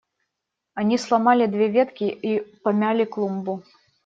Они сломали две ветки и помяли клумбу.